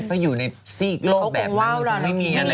เขาอยู่ในสี่โลกแบบนั้นมันไม่มีอะไรให้กิน